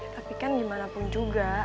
tapi kan dimanapun juga